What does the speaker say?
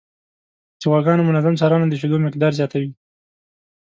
د غواګانو منظم څارنه د شیدو مقدار زیاتوي.